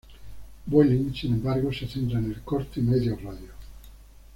Vueling, sin embargo, se centra en el corto y medio radio.